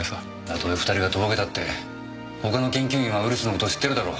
たとえ２人がとぼけたって他の研究員はウイルスの事を知ってるだろ。